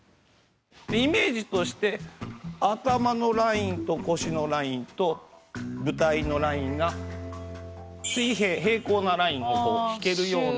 イメージとして頭のラインと腰のラインと舞台のラインが水平平行なラインを引けるような感じ。